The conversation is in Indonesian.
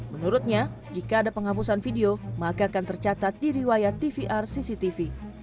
menurutnya jika ada penghapusan video maka akan tercatat di riwayat tvr cctv